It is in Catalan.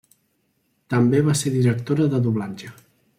També va ser directora de doblatge.